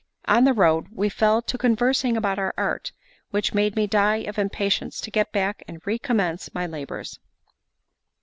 On the road we fell to conversing about our art, which made me die of impatience to get back and recommence my labours.